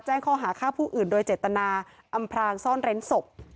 แจ้งข้อหาฆ่าผู้อื่นโดยเจตนาอำพรางซ่อนเร้นศพ